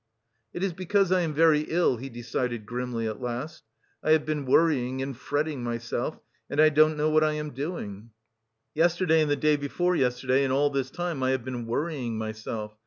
"It is because I am very ill," he decided grimly at last, "I have been worrying and fretting myself, and I don't know what I am doing.... Yesterday and the day before yesterday and all this time I have been worrying myself....